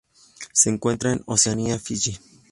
Se encuentra en Oceanía: Fiyi.